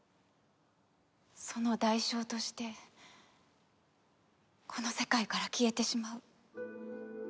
その代償としてこの世界から消えてしまう。